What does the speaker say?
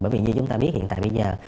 bởi vì như chúng ta biết hiện tại bây giờ